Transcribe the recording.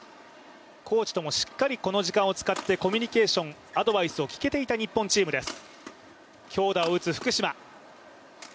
コーチともしっかりこの時間を使ってコミュニケーションアドバイスを聞けていた日本チームです。